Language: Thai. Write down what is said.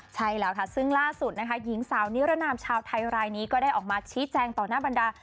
ใช่แล้วค่ะซึ่งล่าสุดนะคะหญิงสาวนิรนามชาวไทยรายนี้ก็ได้ออกมาชี้แจงต่อหน้าบรรดา